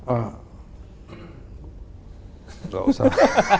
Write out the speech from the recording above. ah nggak usah